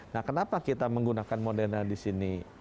nah kenapa kita menggunakan moderna di sini